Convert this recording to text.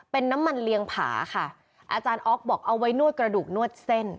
เป็นน้ำมันเลี้ยงผาค่ะอาจารย์อ๊อกบอกเอาไว้นวดกระดูกนวดเส้น